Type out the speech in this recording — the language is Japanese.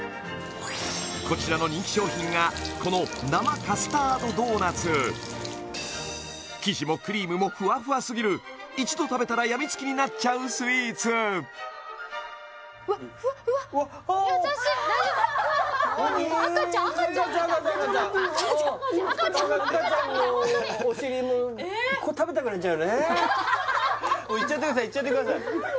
こちらの人気商品がこの生地もクリームもふわふわすぎる一度食べたらやみつきになっちゃうスイーツうわっふわふわうわっああいっちゃってくださいいっちゃってください